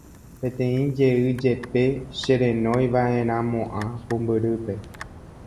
peteĩ jey jepe che renoiva'eramo'ã pumbyrýpe